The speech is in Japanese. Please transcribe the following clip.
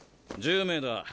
１０名だ。